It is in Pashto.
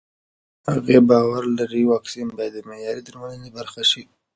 هغې باور لري واکسین به د معیاري درملنې برخه شي.